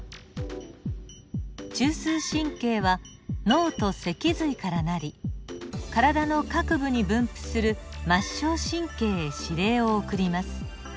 中枢神経は脳と脊髄から成り体の各部に分布する末梢神経へ指令を送ります。